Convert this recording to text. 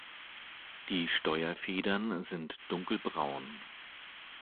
Die Steuerfedern sind dunkelbraun.